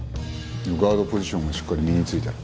ガードポジションがしっかり身についたら。